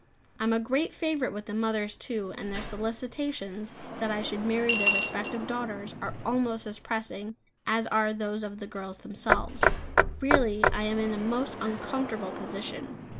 I am a great favourite with the mothers too; and their solicitations that I should marry their respective daughters are almost as pressing as are those of the girls themselves. Really I am in a most uncomfortable position.